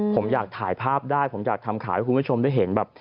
ผมอยากถ่ายภาพได้ผมอยากทำข่าวให้คุณผู้ชมได้เห็นแบบ